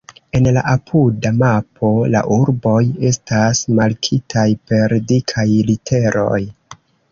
En la apuda mapo la urboj estas markitaj per dikaj literoj.